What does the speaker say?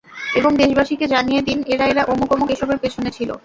এবং দেশবাসীকে জানিয়ে দিন, এরা এরা, অমুক অমুক এসবের পেছনে ছিল।